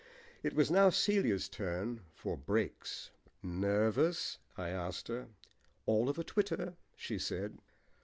It was now Celia's turn for "breaks." "Nervous?" I asked her. "All of a twitter," she said.